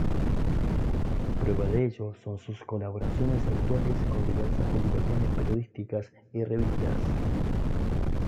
Prueba de ello son sus colaboraciones habituales con diversas publicaciones periódicas y revistas.